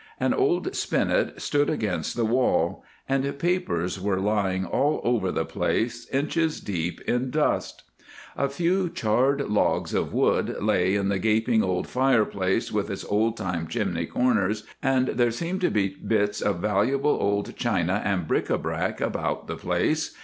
An old spinet stood against the wall; and papers were lying all over the place inches deep in dust. A few charred logs of wood lay in the gaping old fireplace with its old time chimney corners, and there seemed to be bits of valuable old china and bric a brac about the place.